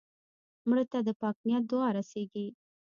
مړه ته د پاک نیت دعا رسېږي